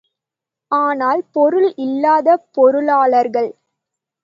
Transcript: ஆனால், பொருள் இல்லாத பொருளாளர்கள்.